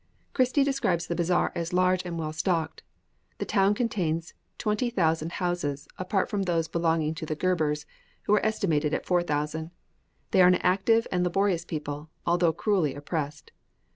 Christie describes the bazaar as large and well stocked. The town contains 20,000 houses, apart from those belonging to the Ghebers, who are estimated at 4000. They are an active and laborious people, although cruelly oppressed.